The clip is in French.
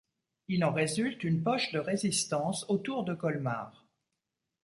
Il en résulte une poche de résistance autour de Colmar.